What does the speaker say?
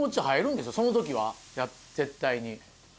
その時は絶対に。